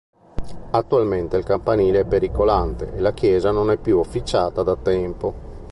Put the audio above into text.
Attualmente il campanile è pericolante e la chiesa non è più officiata da tempo.